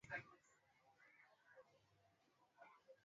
Mtu yeyote aliye na kidogo kidogo nia ya habari ya kimataifa